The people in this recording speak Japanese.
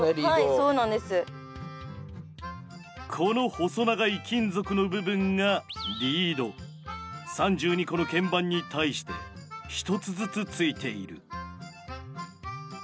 この細長い金属の部分が３２個の鍵盤に対して１つずつついている。